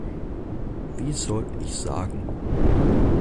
Wie soll ich sagen?